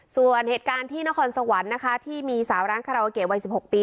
ส่วนเหตุการณ์ที่นครสวรรค์นะคะที่มีสาวร้านคาราโอเกะวัย๑๖ปี